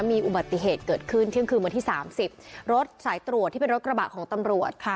มีอุบัติเหตุเกิดขึ้นเที่ยงคืนวันที่สามสิบรถสายตรวจที่เป็นรถกระบะของตำรวจค่ะ